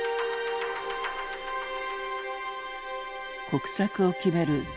国策を決める